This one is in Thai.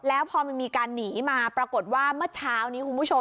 แล้วพอมันมีการหนีมาปรากฏว่าเมื่อเช้านี้คุณผู้ชม